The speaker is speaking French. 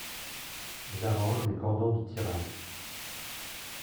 J’arrange les cordons de tirage.